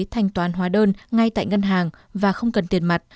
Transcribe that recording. thanh toán hóa đơn ngay tại ngân hàng và không cần tiền mặt